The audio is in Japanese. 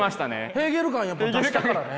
ヘーゲル感出したからね。